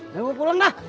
udah gue pulang dah